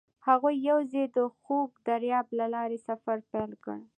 هغوی یوځای د خوږ دریاب له لارې سفر پیل کړ.